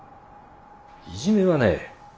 いじめはね